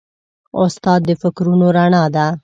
استاد د فکرونو رڼا ده.